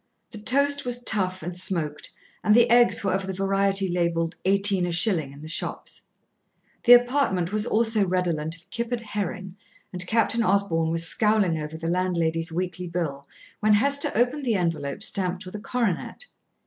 The toast was tough and smoked, and the eggs were of the variety labelled "18 a shilling" in the shops; the apartment was also redolent of kippered herring, and Captain Osborn was scowling over the landlady's weekly bill when Hester opened the envelope stamped with a coronet.